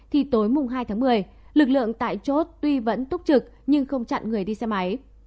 thì tối mùng hai tháng một mươi lực lượng tại chốt tuy vẫn túc trực nhưng không chặn người đi xe máy